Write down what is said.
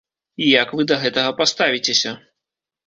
І як вы да гэтага паставіцеся?